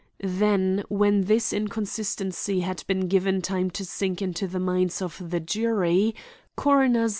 Then when this inconsistency had been given time to sink into the minds of the jury, Coroner Z.